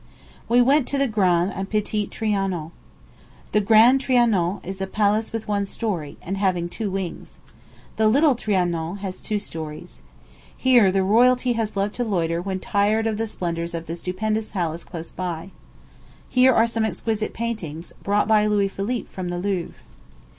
We went to the Grand and Petit Trianon. The great Trianon is a palace with one story, and having two wings. The little Trianon has two stories. Here royalty has loved to loiter when tired of the splendors of the stupendous palace close by. Here are some exquisite paintings, brought by Louis Philippe from the Louvre.